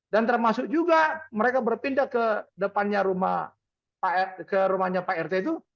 dan termasuk juga mereka berpindah ke depannya rumahnya pak rt itu